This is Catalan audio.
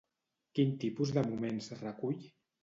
Quin tipus de moments recull?